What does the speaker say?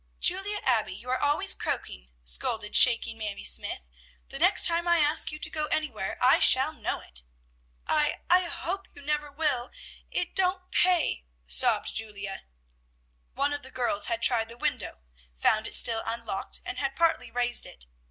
"Julia Abbey, you are always croaking," scolded shaking Mamie Smythe. "The next time I ask you to go anywhere, I shall know it!" "I I hope you never will; it it don't pay," sobbed Julia. One of the girls had tried the window, found it still unlocked, and had partly raised it.